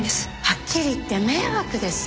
はっきり言って迷惑です